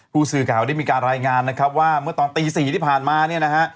ผู้สื่อข่าวได้มีการรายงานนะครับว่าเมื่อตอนตี๔ที่ผ่านมาเนี่ยนะฮะ